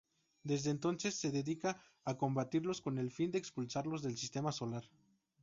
Desde entonces se dedica a combatirlos con el fin de expulsarlos del Sistema solar.